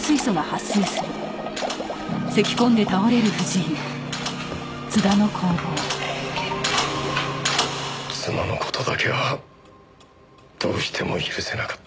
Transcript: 妻の事だけはどうしても許せなかった。